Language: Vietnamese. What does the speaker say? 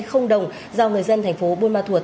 không đồng do người dân thành phố buôn ma thuột